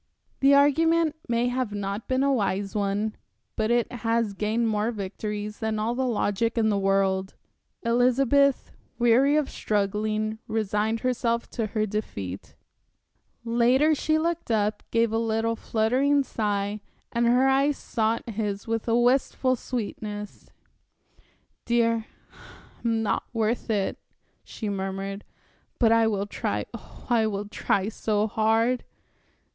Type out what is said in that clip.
The argument may not have been a wise one, but it has gained more victories than all the logic in the world. Elizabeth, weary of struggling, resigned herself to her defeat.... Later she looked up, gave a little, fluttering sigh, and her eyes sought his with a wistful sweetness. "Dear, I'm not worth it," she murmured, "but I will try oh, I will try so hard."